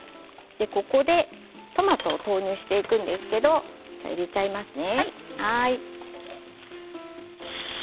ここでトマトを投入していくんですけど入れてしまいますね。